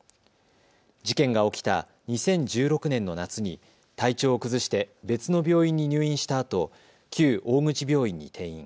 事件が起きた２０１６年の夏に体調を崩して別の病院に入院したあと旧大口病院に転院。